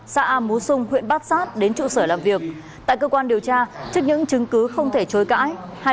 xã a mú xung huyện bát sát đến trụ sở làm việc tại cơ quan điều tra trước những chứng cứ không thể chối cãi